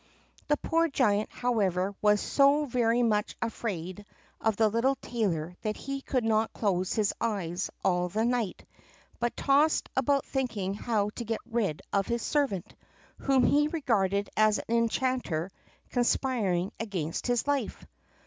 The poor giant, however, was so very much afraid of the little tailor that he could not close his eyes all the night, but tossed about thinking how to get rid of his servant, whom he regarded as an enchanter conspiring against his life.